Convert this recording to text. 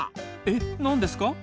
え何ですか？